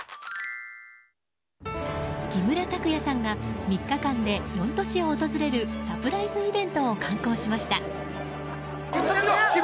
木村拓哉さんが３日間で４都市を訪れるサプライズイベントを敢行しました。